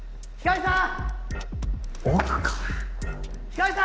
光莉さん。